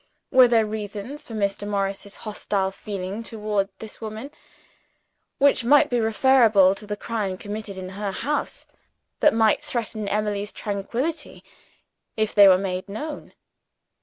Were there reasons for Mr. Morris's hostile feeling toward this woman which might be referable to the crime committed in her house that might threaten Emily's tranquillity if they were made known?